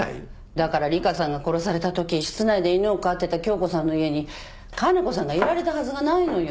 だから里香さんが殺されたとき室内で犬を飼ってた杏子さんの家に加奈子さんがいられたはずがないのよ。